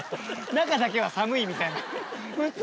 中だけは寒いみたいな。